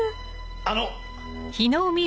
あの！